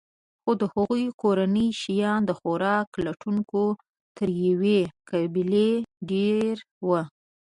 خو د هغوی کورنۍ شیان د خوراک لټونکو تر یوې قبیلې ډېر وو.